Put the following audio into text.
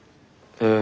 ええ。